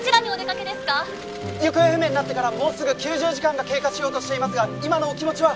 「行方不明になってからもうすぐ９０時間が経過しようとしていますが今のお気持ちは？」